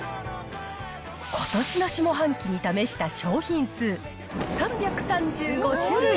ことしの下半期に試した商品数、３３５種類。